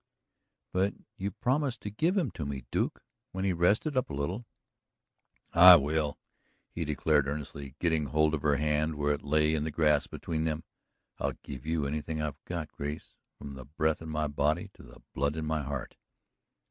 "But you promised to give him to me, Duke, when he rested up a little." "I will," he declared earnestly, getting hold of her hand where it lay in the grass between them. "I'll give you anything I've got, Grace, from the breath in my body to the blood in my heart!"